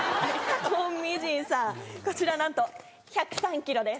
クォン・ミジンさんこちらなんと１０３ｋｇです。